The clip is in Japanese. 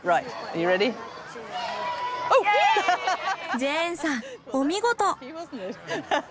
ジェーンさんお見事！